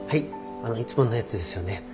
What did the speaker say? あのいつものやつですよね